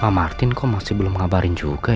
pak martin kok masih belum ngabarin juga ya